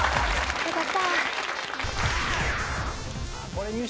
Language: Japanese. よかった。